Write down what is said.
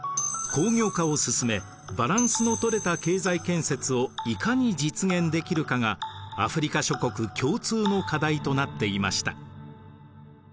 工業化を進めバランスのとれた経済建設をいかに実現できるかがアフリカ諸国共通の課題となっていました。